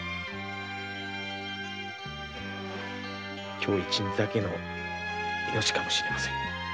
今日一日だけの命かもしれません。